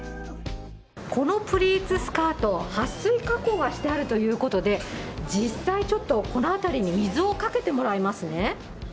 このプリーツスカート、撥水加工がしてあるということで、実際ちょっとこの辺りに水をかけてもらいますね。